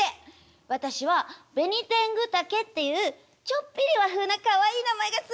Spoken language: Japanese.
私はベニテングタケっていうちょっぴり和風なかわいい名前が付いてるんだから！